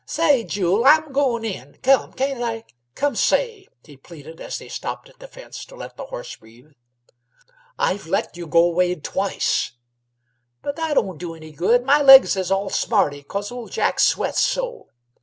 "Say, Jule, I'm goin' in! Come, can't I? Come say!" he pleaded, as they stopped at the fence to let the horse breathe. "I've let you go wade twice." "But that don't do any good. My legs is all smarty, 'cause ol' Jack sweats so."